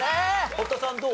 堀田さんどう？